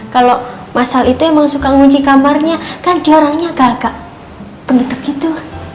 kalau mas al itu emang suka ngunci kamarnya kan diorangnya agak agak penutup gitu